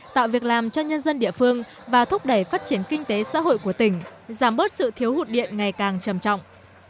tạo việc làm cho nhân dân địa phương và thúc đẩy phát triển kinh tế xã hội của tỉnh giảm bớt sự thiếu hụt điện ngày càng trầm trọng